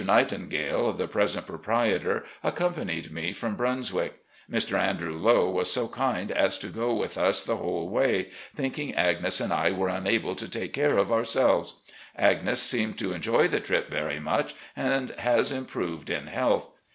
Nightingale, the present pro prietor, accompanied me from Brunswick. Mr. Andrew Lowe was so kind as to go with us the whole way, thinking Agnes and I were unable to take care of otuaelves. Agnes seemed to enjoy the trip very much, and has improved in health.